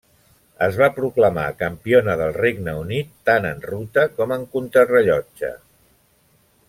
Es va proclamar campiona del Regne Unit tant en ruta com en contrarellotge.